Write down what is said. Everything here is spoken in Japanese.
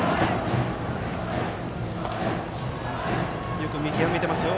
よく見極めていますよ。